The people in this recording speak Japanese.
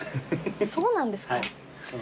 そうなんですか？